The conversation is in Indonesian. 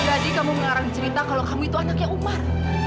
kamu mengarang cerita kalau kamu itu anaknya umar